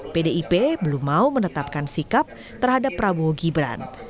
pdip belum mau menetapkan sikap terhadap prabowo gibran